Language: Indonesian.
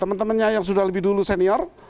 teman temannya yang sudah lebih dulu senior